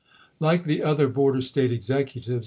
Like the other border State executives.